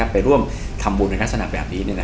ไปร่วมทำบุญในลักษณะแบบนี้